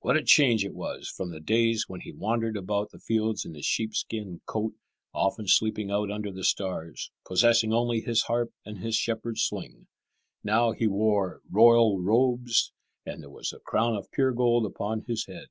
What a change it was from the days when he wandered about the fields in his sheepskin coat, often sleeping out under the stars, possessing only his harp and his shepherd's sling. Now he wore royal robes, and there was a crown of pure gold upon his head.